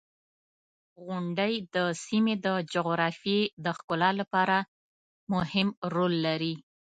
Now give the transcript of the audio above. • غونډۍ د سیمې د جغرافیې د ښکلا لپاره مهم رول لري.